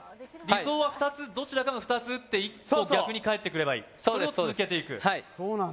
理想は２つどちらかが２つ打って１個逆に返ってくればいいそれを続けていくそうです